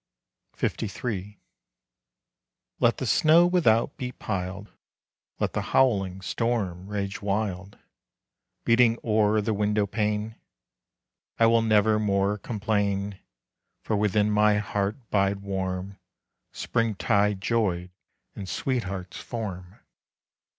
LIII. Let the snow without be piled, Let the howling storm rage wild, Beating o'er the window pane, I will never more complain, For within my heart bide warm Spring tide joy and sweetheart's form.